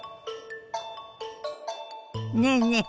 ねえねえ